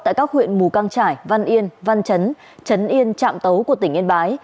tại các huyện mù căng trải văn yên văn chấn chấn yên trạm tấu của tỉnh yên bái